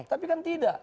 tapi kan tidak